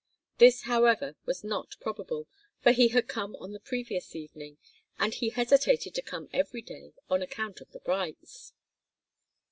This, however, was not probable, for he had come on the previous evening, and he hesitated to come every day on account of the Brights.